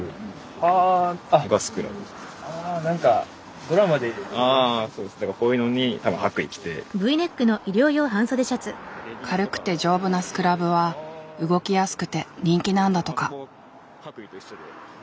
あ何か軽くて丈夫なスクラブは動きやすくて人気なんだとか。